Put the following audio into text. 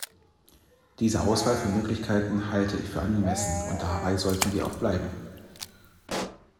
Diese Auswahl von Möglichkeiten halte ich für angemessen, und dabei sollten wir auch bleiben.